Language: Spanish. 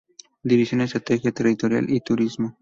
División Estrategia territorial y Turismo.